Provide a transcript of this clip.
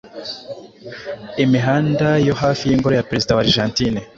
imihanda yo hafi y’ingoro ya Perezida wa Argentine